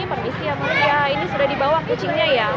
permisi ya ini sudah di bawah kucingnya ya